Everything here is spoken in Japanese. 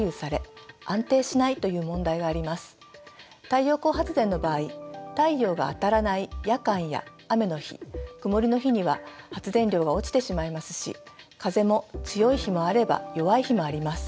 太陽光発電の場合太陽が当たらない夜間や雨の日曇りの日には発電量が落ちてしまいますし風も強い日もあれば弱い日もあります。